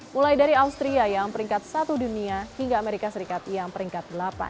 mulai dari austria yang peringkat satu dunia hingga amerika serikat yang peringkat delapan